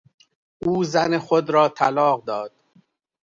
او زن خود را طلاق داد.